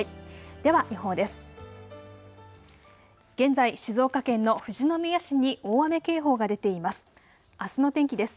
では予報です。